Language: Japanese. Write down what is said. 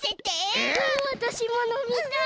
わたしものみたい！